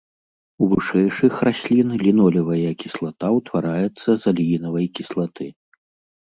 У вышэйшых раслін лінолевая кіслата ўтвараецца з алеінавай кіслаты.